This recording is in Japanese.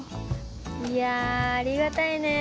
いやぁありがたいね。